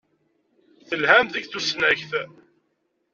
Telhamt deg tusnakt?